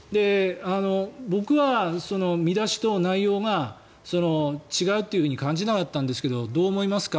僕は見出しと内容が違うって感じなかったんですけどどう思いますか？